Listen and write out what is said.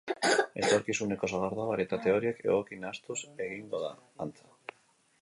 Etorkizuneko sagardoa barietate horiek egoki nahastuz egingo da, antza.